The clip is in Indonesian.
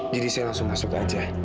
jadi saya langsung masuk aja